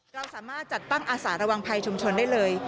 เราสามารถจัดตั้งอาสารวังภัยชุมชนได้เลย